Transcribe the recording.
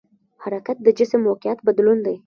حرکت د جسم موقعیت بدلون دی.